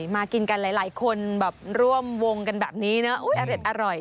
มากินกันหลายคนแบบร่วมวงกันแบบนี้นะอร่อย